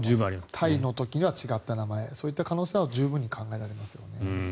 タイの時には違った名前そういった可能性は十分に考えられますよね。